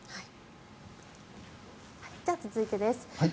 では続いてです。